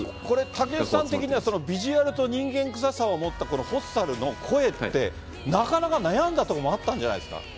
これ、竹内さん的には、ヴィジュアルと人間くささを持ったこのホッサルの声って、なかなか悩んだところもあったんじゃないですか？